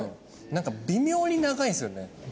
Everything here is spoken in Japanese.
なんか微妙に長いんですよね。